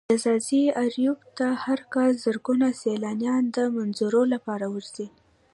ځاځي اريوب ته هر کال زرگونه سيلانيان د منظرو لپاره ورځي.